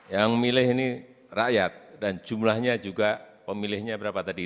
yang milih ini rakyat dan jumlahnya juga pemilihnya berapa tadi